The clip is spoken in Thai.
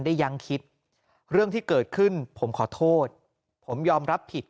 ยังคิดเรื่องที่เกิดขึ้นผมขอโทษผมยอมรับผิด